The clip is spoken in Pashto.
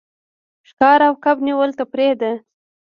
ښکار او کب نیول تفریح ده.